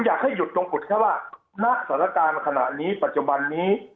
อยากให้หยุดตรงกุฎแค่ว่าณสถานการณ์ขณะนี้ปัจจุบันนี้